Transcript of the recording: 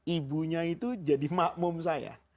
ibunya itu jadi makmum saya